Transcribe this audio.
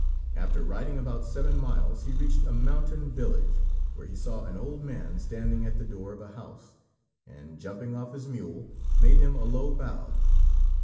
After riding about seven miles, he reached a mountain village, where he saw an old man standing at the door of a house, and, jumping off his mule, made him a low bow.